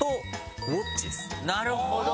なるほど！